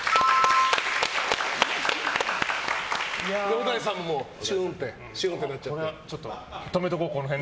小田井さんもシュンってなっちゃって？